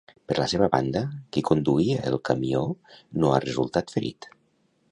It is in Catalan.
Per la seva banda, qui conduïa el camió no ha resultat ferit.